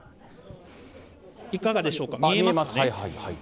いかがでしょうか、見えますね。